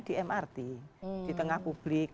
di mrt di tengah publik